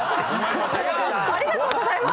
ありがとうございます！